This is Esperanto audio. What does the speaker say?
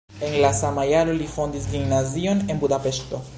En la sama jaro li fondis gimnazion en Budapeŝto.